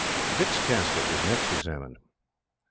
Dick's casket was next examined.